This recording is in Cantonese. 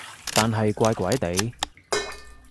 但係怪怪地